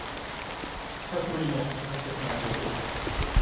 久しぶりの勝ち越しの味はどうでしょう？